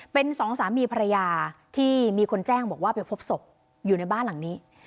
เป็นสองสามีภรรยาที่มีคนแจ้งบอกว่าไปพบศพอยู่ในบ้านหลังนี้